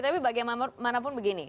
tapi bagaimanapun begini